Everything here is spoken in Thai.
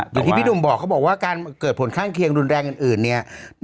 อย่างที่พี่หนุ่มบอกเขาบอกว่าการเกิดผลข้างเคียงรุนแรงอื่นเนี่ย